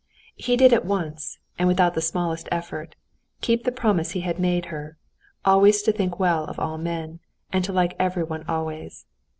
He did at once, and without the smallest effort, keep the promise he had made her—always to think well of all men, and to like everyone always.